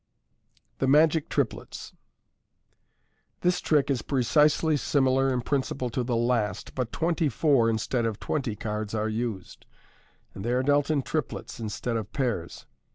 Thb Magic Triplets. — This trick is precisely similar in prin ciple to the last, but twenty four (instead of twenty) cards are used, and they are dealt in triplets, instead of pairs.